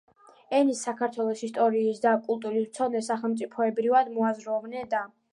ენის, საქართველოს ისტორიის და კულტურის მცოდნე, სახელმწიფოებრივად მოაზროვნე და